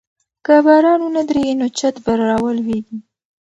که باران ونه دريږي نو چت به راولوېږي.